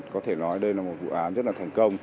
có thể nói đây là một vụ án rất là thành công